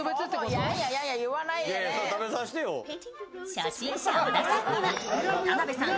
初心者・小田さんには田辺さん